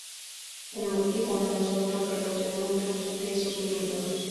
El motivo no es otro que los de muchos de sus miembros.